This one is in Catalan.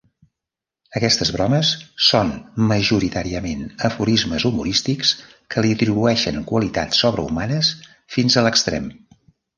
Aquestes bromes són majoritàriament aforismes humorístics que li atribueixen qualitats sobrehumanes fins a l'extrem.